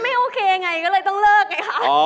โอเคไงก็เลยต้องเลิกไงคะ